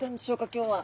今日は。